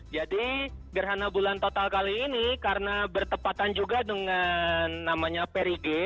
jadi gerhana bulan total kali ini karena bertepatan juga dengan namanya perige